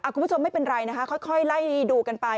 คุณผู้ชมไม่เป็นไรนะคะค่อยไล่ดูกันไป